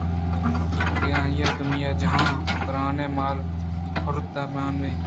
کہ آئی ءَ دنیا ءُ جہان ءِ گرٛانیں مال ءُ ہُرد مان اِتنت